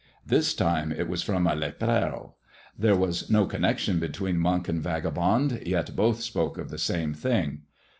This time it was bom a lepero. There was no connection between monk and ^vagabond, yet both spoke of the same thing.